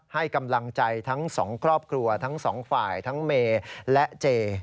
ให้กำลังใจทั้งสองครอบครัวทั้งสองฝ่ายทั้งเมย์และเจ